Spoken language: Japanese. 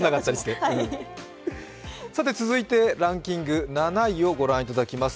続いてランキング７位をご覧いただきます。